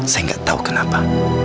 saya nggak tahu kenapa